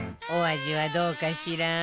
お味はどうかしら？